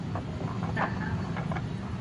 打